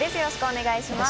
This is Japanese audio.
お願いします。